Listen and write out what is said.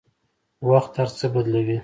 وخت هر څه بدلوي.